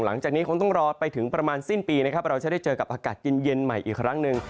หลังจากนี้คงต้องรอไปถึงประมาณสิ้นปีนะครับเราจะได้เจอกับอากาศเย็นใหม่อีกครั้งหนึ่ง